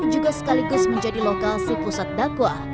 juga sekaligus menjadi lokasi pusat dakwah